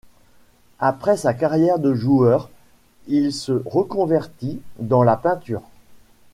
Après sa carrière de joueur, il se reconvertit dans la peinture.